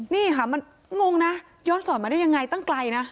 นี่ค่ะมันงงนะย้อนสอนมาได้ยังไงตั้งไกลนะ